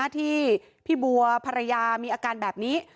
ที่พี่บัวภรรยามีอาการแบบนี้